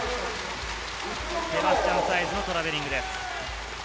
セバスチャン・サイズのトラベリングです。